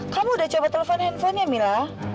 kamu udah coba telepon handphonenya mila